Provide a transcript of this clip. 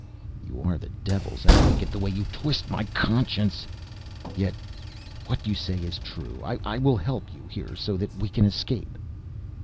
"You are the devil's advocate the way you twist my conscience yet what you say is true. I will help you here so that we can escape."